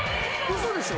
・嘘でしょ！？